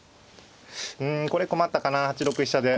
うんこれ困ったかな８六飛車で。